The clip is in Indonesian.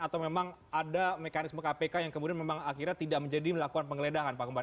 atau memang ada mekanisme kpk yang kemudian memang akhirnya tidak menjadi melakukan penggeledahan pak kembar